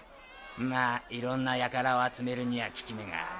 まぁいろんな輩を集めるには効き目がある。